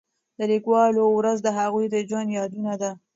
د لیکوالو ورځ د هغوی د ژوند یادونه ده.